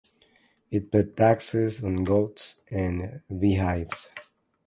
It paid taxes on goats and beehives.